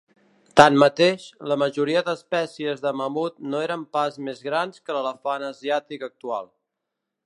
Tanmateix, la majoria d'espècies de mamut no eren pas més grans que l'elefant asiàtic actual.